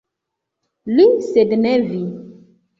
Li, sed ne vi!